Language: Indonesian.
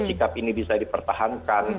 sikap ini bisa dipertahankan